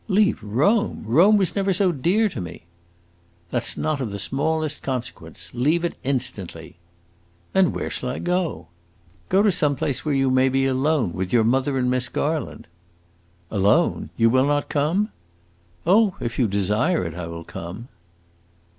"Leave Rome! Rome was never so dear to me." "That 's not of the smallest consequence. Leave it instantly." "And where shall I go?" "Go to some place where you may be alone with your mother and Miss Garland." "Alone? You will not come?" "Oh, if you desire it, I will come."